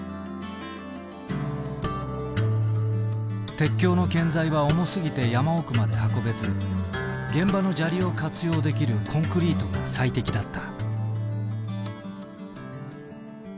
鉄橋の建材は重すぎて山奥まで運べず現場の砂利を活用できるコンクリートが最適だった。